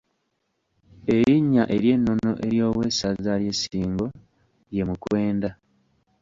Erinnya ery’ennono ery’owessaza ly’e Ssingo ye Mukwenda.